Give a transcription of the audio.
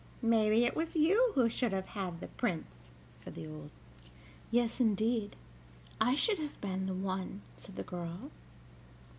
"Maybe it was you who should have had the Prince," said the old woman. "Yes, indeed, I should have been the one," said the girl.